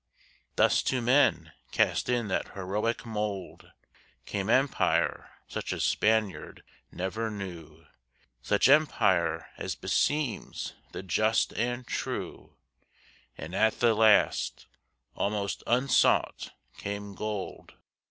Thus to men cast in that heroic mould Came empire such as Spaniard never knew, Such empire as beseems the just and true; And at the last, almost unsought, came gold.